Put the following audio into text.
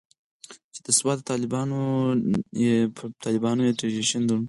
چې د سوات د طالبانائزيشن د دور